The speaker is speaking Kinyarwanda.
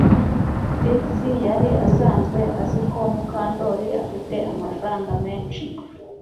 Trix yari asanzwe azi ko Mukandoli afite amafaranga menshi